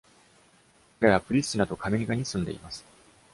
彼はプリスティナとカメニカに住んでいます。